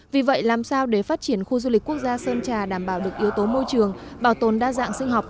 vì vậy làm sao để phát triển khu du lịch quốc gia sơn trà đảm bảo được yếu tố môi trường bảo tồn đa dạng sinh học